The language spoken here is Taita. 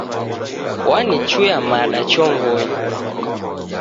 Wanichuia mada chongonyi.